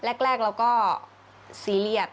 แรกเราก็ซีเรียส